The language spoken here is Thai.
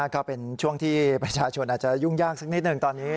ก็เป็นช่วงที่ประชาชนอาจจะยุ่งยากสักนิดหนึ่งตอนนี้